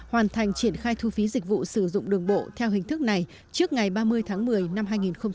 hoàn thành triển khai thu phí dịch vụ sử dụng đường bộ theo hình thức này trước ngày ba mươi tháng một mươi năm hai nghìn hai mươi